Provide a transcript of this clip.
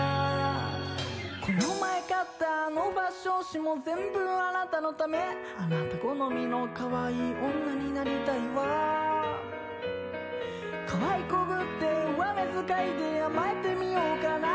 この前買ったあのファッション誌も全部あなたのためあなた好みの可愛い女になりたいわ可愛い子ぶって上目遣いで甘えてみようかな？